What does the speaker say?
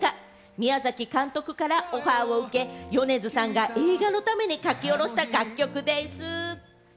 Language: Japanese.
宮崎監督からオファーを受け、米津さんが映画のために書き下ろした楽曲でぃす。